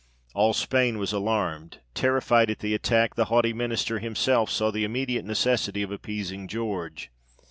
All Spain was alarmed : terrified at the attack, the haughty minister himself saw the immediate necessity of appeasing George.